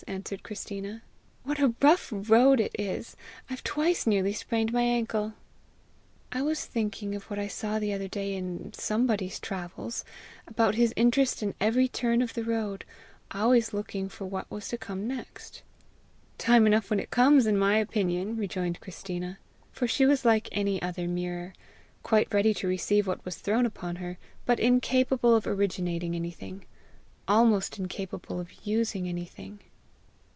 answered Christina. "What a rough road it is! I've twice nearly sprained my ankle!" "I was thinking of what I saw the other day in somebody's travels about his interest in every turn of the road, always looking for what was to come next." "Time enough when it comes, in my opinion!" rejoined Christina. For she was like any other mirror quite ready to receive what was thrown upon her, but incapable of originating anything, almost incapable of using anything.